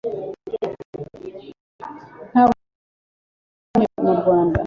Ntabwo wibagiwe abayapani baba murwanda